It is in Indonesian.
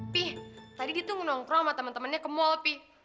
pi tadi ditunggu nongkrong sama temen temennya ke mall pi